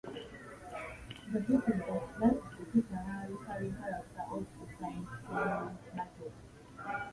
The book is the last to feature her recurring character of Superintendent Battle.